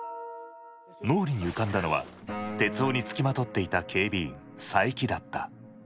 脳裏に浮かんだのは徹生につきまとっていた警備員佐伯だった。